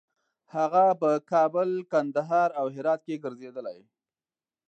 هغه په کابل، کندهار او هرات کې ګرځېدلی.